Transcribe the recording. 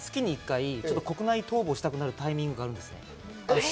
月に１回国内逃亡したくなる時があるんですよ。